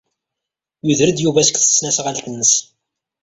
Yuder-d Yuba seg tesnasɣalt-nnes.